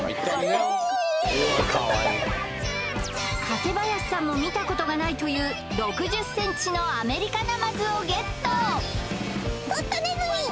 加瀬林さんも見たことがないという６０ｃｍのアメリカナマズをゲット